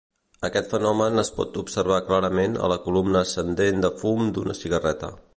Aquest fenomen es pot observar clarament a la columna ascendent de fum d'una cigarreta.